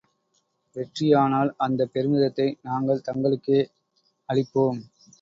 வெற்றியானால் அந்தப் பெருமிதத்தை நாங்கள் தங்களுக்கே அளிப்போம்.